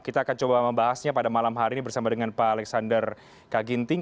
kita akan coba membahasnya pada malam hari ini bersama dengan pak alexander kaginting